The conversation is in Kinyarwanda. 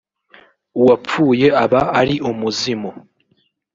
uwapfuye aba ari umuzimu